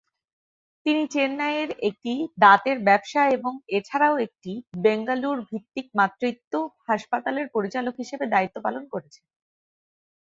তিনি চেন্নাই এর একটি দাঁতের ব্যবসা এবং এছাড়াও তিনি বেঙ্গালুরু ভিত্তিক মাতৃত্ব হাসপাতালের পরিচালক হিসেবে দায়িত্ব পালন করছেন।